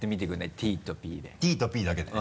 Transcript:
「Ｔ」と「Ｐ」だけでね。